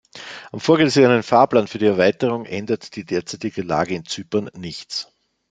Am vorgesehenen Fahrplan für die Erweiterung ändert die derzeitige Lage in Zypern nichts.